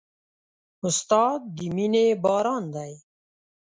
استاد د مینې باران دی.